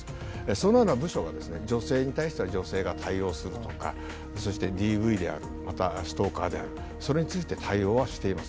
そのような部署が女性に対しては女性が対応するとか、ＤＶであるまたストーカーである、それについて対応はしています。